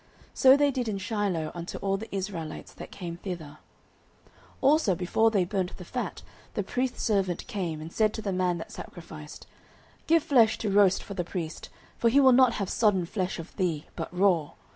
So they did in Shiloh unto all the Israelites that came thither. 09:002:015 Also before they burnt the fat, the priest's servant came, and said to the man that sacrificed, Give flesh to roast for the priest; for he will not have sodden flesh of thee, but raw.